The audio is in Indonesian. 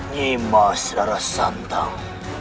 nyima sedara santan